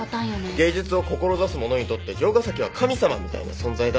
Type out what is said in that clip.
芸術を志す者にとって城ヶ崎は神様みたいな存在だ。